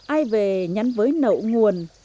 ai về nhắn với nậu nguồn